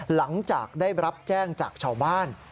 หลังจากได้รับแจ้งจากชาวบ้าน